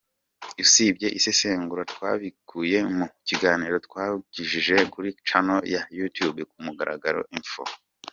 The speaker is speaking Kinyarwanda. Usibye isesengura twakubiye mu kiganiro twanyujije kuri Channel ya You Tube “Ku mugaragaro info”,